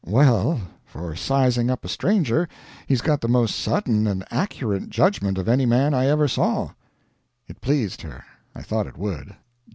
Well, for sizing up a stranger, he's got the most sudden and accurate judgment of any man I ever saw.' "It pleased her. I thought it would."